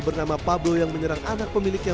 bernama pablo yang menyerang anak pemiliknya